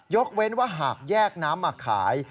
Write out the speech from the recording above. เว้นว่าหากแยกน้ำมาขาย